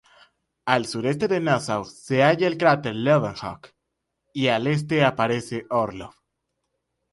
Al sureste de Nassau se halla el cráter Leeuwenhoek, y al este aparece Orlov.